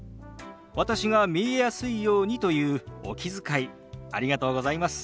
私が見えやすいようにというお気遣いありがとうございます。